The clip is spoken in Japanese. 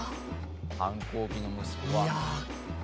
反抗期の息子が。